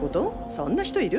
そんな人いる？